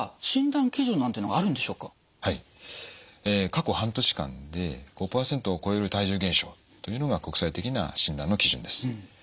過去半年間で５％を超える体重減少というのが国際的な診断の基準です。